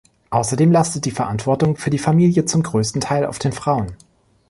Außerdem lastet die Verantwortung für die Familie zum größten Teil auf den Frauen.